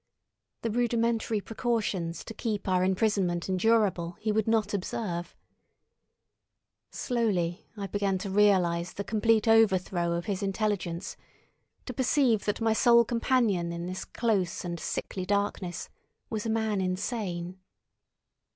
The rudimentary precautions to keep our imprisonment endurable he would not observe. Slowly I began to realise the complete overthrow of his intelligence, to perceive that my sole companion in this close and sickly darkness was a man insane.